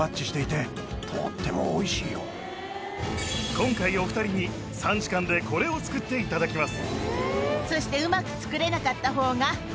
今回お２人に３時間でこれを作っていただきます。